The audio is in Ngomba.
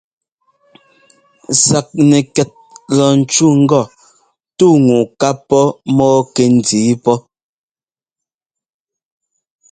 Saknɛkɛt lɔ ńcú ŋgɔ: «tú ŋu ká pɔ́ mɔ́ɔ kɛndǐi pɔ́».